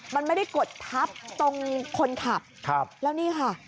มันไม่ได้กดทับตรงคนขับแล้วนี่ค่ะ